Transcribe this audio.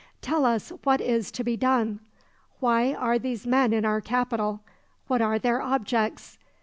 Tell us what is to be done. Why are these men in our capital? What are their objects?